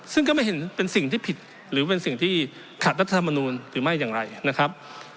ซึ่งก็ไม่เห็นเป็นสิ่งที่ผิดหรือเป็นสิ่งที่ขัดรัฐธรรมนูลหรือไม่อย่างไรนะครับ